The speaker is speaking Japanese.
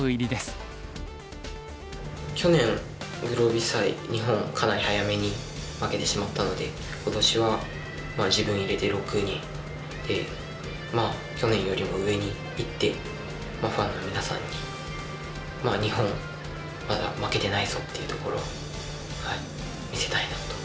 去年グロービス杯日本かなり早めに負けてしまったので今年は自分入れて６人でまあ去年よりも上にいってファンの皆さんに日本まだ負けてないぞっていうところを見せたいなと思います。